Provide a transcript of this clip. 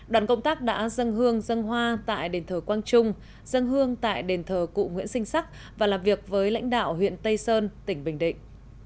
đoàn công tác đã dâng hương dân hoa tại đền thờ quang trung dân hương tại đền thờ cụ nguyễn sinh sắc và làm việc với lãnh đạo huyện tây sơn tỉnh bình định